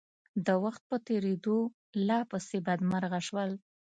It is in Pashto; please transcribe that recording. د وخت په تېرېدو لا پسې بدمرغه شول.